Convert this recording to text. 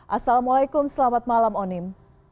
assalamualaikum selamat malam onim